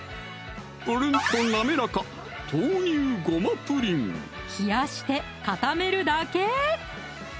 プルンと滑らか冷やして固めるだけ！